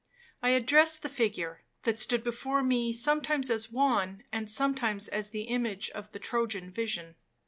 I addressed the figure that stood before me sometimes as Juan, and sometimes as the image of the Trojan vision.